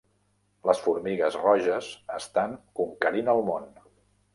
Les formigues roges estan conquerint el món.